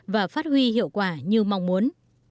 và phát huy hiệu quả như mong muốn